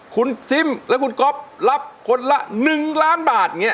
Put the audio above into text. คุณซิมและคุณก๊อฟรับคนละ๑ล้านบาท